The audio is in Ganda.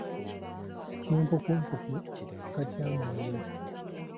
Kimpukumpuku kika kya mwenge.